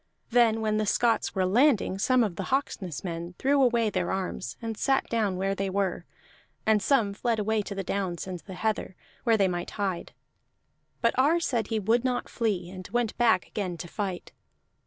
Then when the Scots were landing, some of the Hawksness men threw away their arms and sat down where they were; and some fled away to the downs and the heather, where they might hide. But Ar said he would not flee, and went back again to fight.